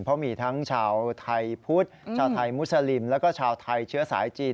เพราะมีทั้งชาวไทยพุทธชาวไทยมุสลิมแล้วก็ชาวไทยเชื้อสายจีน